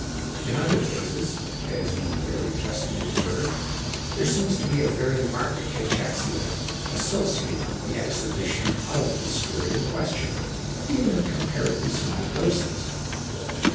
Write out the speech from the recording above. In other cases, as you very justly observed, there seems to be a very marked cachexia associated with the exhibition of the spirit in question, even in comparatively small doses."